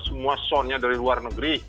semua soundnya dari luar negeri